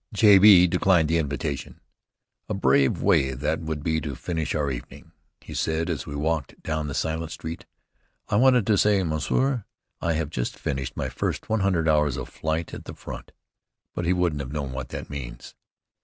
J. B. declined the invitation. "A brave way that would be to finish our evening!" he said as we walked down the silent street. "I wanted to say, 'Monsieur, I have just finished my first one hundred hours of flight at the front.' But he wouldn't have known what that means."